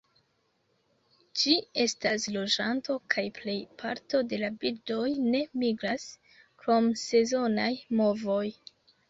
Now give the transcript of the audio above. Ĝi estas loĝanto, kaj plej parto de la birdoj ne migras, krom sezonaj movoj.